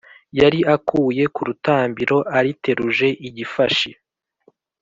yari akuye ku rutambiro, ariteruje igifashi.